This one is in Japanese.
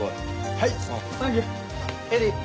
はい。